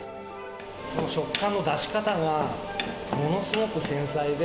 食感の出し方がものすごく繊細で。